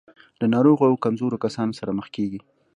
له ناروغو او کمزورو کسانو سره مخ کېږي.